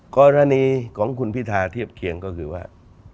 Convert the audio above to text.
กรณีของคุณพิธาเทียบเคียงก็คือว่า